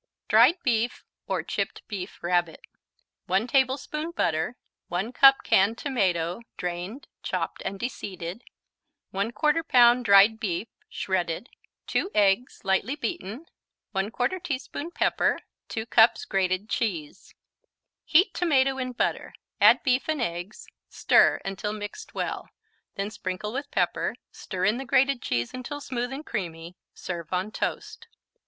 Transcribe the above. Dried Beef or Chipped Beef Rabbit 1 tablespoon butter 1 cup canned tomato, drained, chopped and de seeded 1/4 pound dried beef, shredded 2 eggs, lightly beaten 1/4 teaspoon pepper 2 cups grated cheese Heat tomato in butter, add beef and eggs, stir until mixed well, then sprinkle with pepper, stir in the grated cheese until smooth and creamy. Serve on toast.